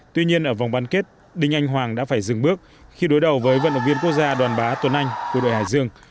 tuy nhiên ở vòng bán kết đinh anh hoàng đã phải dừng bước khi đối đầu với vận động viên quốc gia đoàn bá tuấn anh của đội hải dương